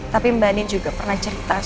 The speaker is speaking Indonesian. tapi mbak andin juga pernah cerita sama saya